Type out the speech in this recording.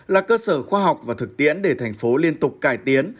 là cơ sở khoa học và thực tiễn để thành phố liên tục cải tiến